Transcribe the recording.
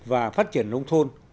và phát triển nông thôn